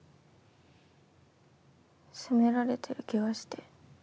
責められてる気がして。